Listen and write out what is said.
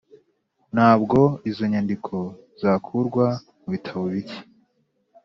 Ntabwo izo nyandiko zakurwaga mu bitabo bike,